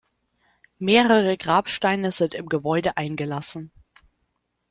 Mehrere Grabsteine sind im Gebäude eingelassen.